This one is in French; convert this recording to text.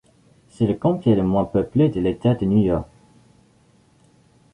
C'est le comté le moins peuplé de l'État de New York.